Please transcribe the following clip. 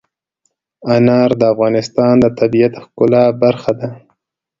انار د افغانستان د طبیعت د ښکلا برخه ده.